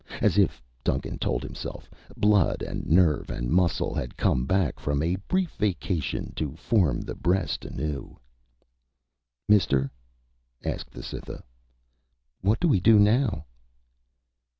As if, Duncan told himself, blood and nerve and muscle had come back from a brief vacation to form the beast anew. "Mister," asked the Cytha, "what do we do now?"